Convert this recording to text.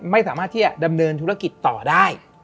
ไม่สามารถที่จะดำเนินธุรกิจต่อได้